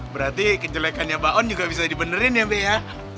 berarti kejelekannya mbak on juga bisa dibenerin ya mbak ya